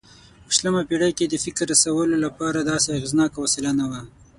په شلمه پېړۍ کې د فکر رسولو لپاره داسې اغېزناکه وسیله نه وه.